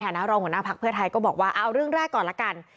นะรองหัวหน้าพักเพื่อไทยก็บอกว่าเอาเรื่องแรกก่อนละกัน